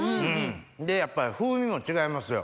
でやっぱり風味も違いますよ。